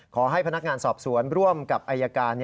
ขอให้พนักงานสอบสวนร่วมกับอายการ